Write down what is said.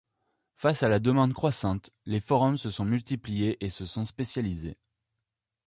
Face à la demande croissante, les forums se sont multipliés et se sont spécialisés.